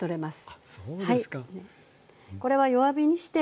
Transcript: あっそうですか。